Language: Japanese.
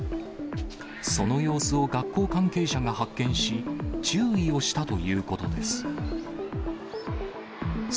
その様子を学校関係者が発見し、注意をしたということです。